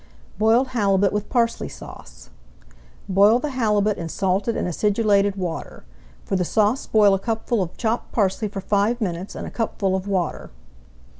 BOILED HALIBUT WITH PARSLEY SAUCE Boil the halibut in salted and acidulated water. For the sauce boil a cupful of chopped parsley for five minutes in a cupful of water.